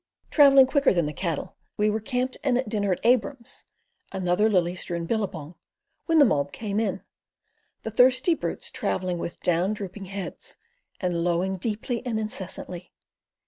Travelling quicker than the cattle, we were camped and at dinner at "Abraham's"—another lily strewn billabong—when the mob came in, the thirsty brutes travelling with down drooping heads and lowing deeply and incessantly.